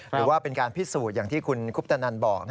หรือว่าเป็นการพิสูจน์อย่างที่คุณคุปตนันบอก